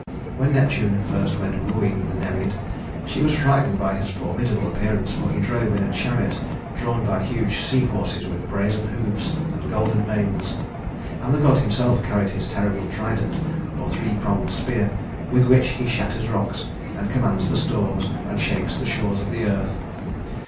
[Illustration: Fountain of Neptune] When Neptune first went wooing the Nereid, she was frightened by his formidable appearance, for he drove in a chariot drawn by huge sea horses with brazen hoofs and golden manes; and the god himself carried his terrible trident, or three pronged spear, with which he shatters rocks, and commands the storms, and shakes the shores of earth.